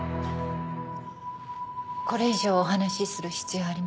これ以上お話しする必要はありませんね。